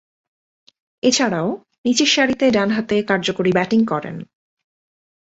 এছাড়াও, নিচেরসারিতে ডানহাতে কার্যকরী ব্যাটিং করেন।